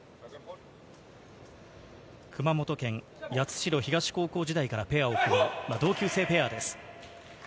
熊本県八代東高校時代からペアを組んでいる同級生ペアです。